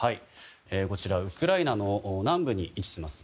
こちらウクライナの南部に位置します